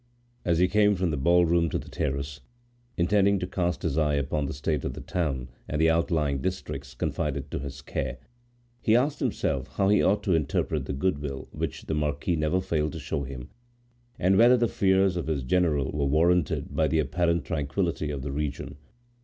As he came from the ballroom to the terrace, intending to cast his eye upon the state of the town and the outlying districts confided to his care, he asked himself how he ought to interpret the good will which the marquis never failed to show him, and whether the fears of his general were warranted by the apparent tranquillity of the region.